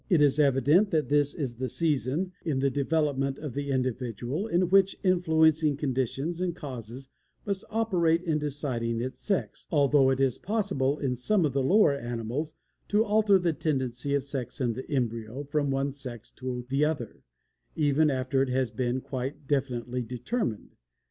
It is evident that this is the season in the development of the individual in which influencing conditions and causes must operate in deciding its sex, although it is possible in some of the lower animals to alter the tendency of sex in the embryo from one sex to the other, even after it has been quite definitely determined.